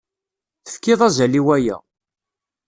Tefkiḍ azal i waya.